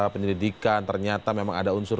penyelidikan ternyata memang ada unsur